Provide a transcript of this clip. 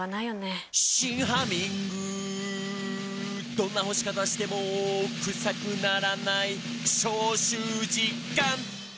「どんな干し方してもクサくならない」「消臭実感！」